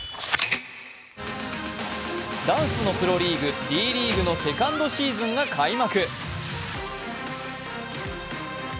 ダンスのプロリーグ、Ｄリーグのセカンドシーズンが開幕。